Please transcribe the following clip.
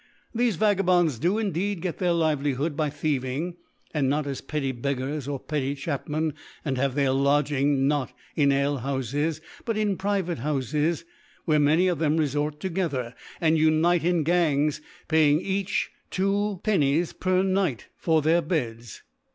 Thefe •Vagabonds do indeed get their Livelihood by Thieving, and not as petty Beggars or peccy Chapmen ; and have their Lodging ftot in Alchoufes, Gf^. but in private Hou* fo» where many of thtm rcfort together, and unite in Gang^^, paying eaqh 2 d. fir Night for their Beds.